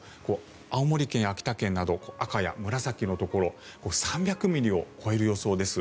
青森県、秋田県など赤や紫のところ３００ミリを超える予想です。